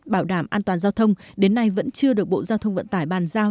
bảo đảm an toàn giao thông đến nay vẫn chưa được bộ giao thông vận tải bàn giao